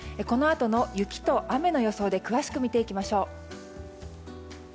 このあとの雪と雨の予想で詳しく見ていきましょう。